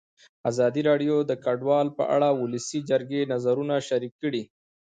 ازادي راډیو د کډوال په اړه د ولسي جرګې نظرونه شریک کړي.